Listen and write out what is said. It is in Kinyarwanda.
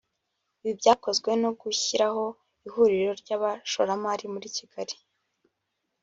Ibi byakozwe no gushyiraho ihuriro ry’abashoramari muri Kigali